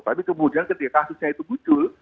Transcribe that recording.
tapi kemudian ketika kasusnya itu muncul